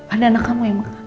ada anak kamu yang makan